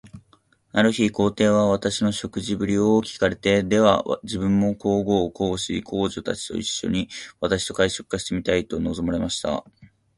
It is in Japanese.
ある日、皇帝は私の食事振りを聞かれて、では自分も皇后、皇子、皇女たちと一しょに、私と会食がしてみたいと望まれました。